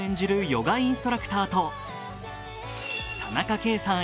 ヨガインストラクターと田中圭さん